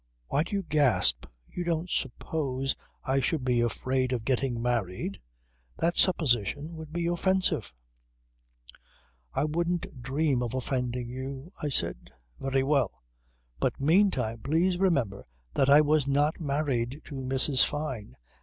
Why do you gasp? You don't suppose I should be afraid of getting married? That supposition would be offensive ..." "I wouldn't dream of offending you," I said. "Very well. But meantime please remember that I was not married to Mrs. Fyne.